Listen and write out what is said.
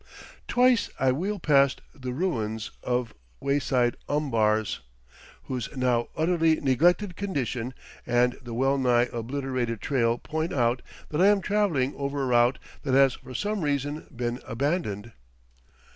Twice I wheel past the ruins of wayside umbars, whose now utterly neglected condition and the well nigh obliterated trail point out that I am travelling over a route that has for some reason been abandoned.